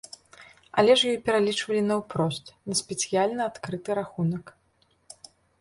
Але ж ёй пералічвалі наўпрост на спецыяльна адкрыты рахунак.